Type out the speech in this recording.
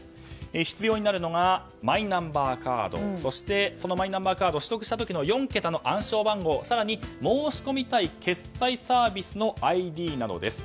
必要になるのがマイナンバーカードそしてそのマイナンバーカードを取得した時の４桁の暗証番号更に申し込みたい決済サービスのＩＤなどです。